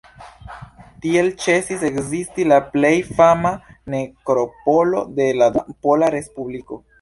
Tiel ĉesis ekzisti la plej fama nekropolo de la Dua Pola Respubliko.